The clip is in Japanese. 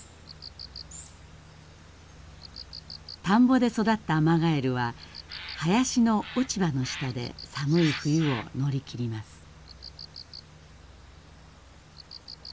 田んぼで育ったアマガエルは林の落ち葉の下で寒い冬を乗り切ります。